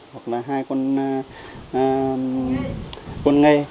hoặc là hai con ngây